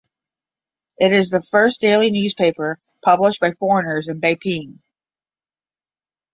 It is the first daily newspaper published by foreigners in Beiping.